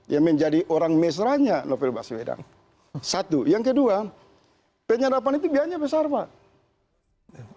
yang menjadi orang mesranya novel baswedan satu yang kedua penyadapan itu biayanya besar pak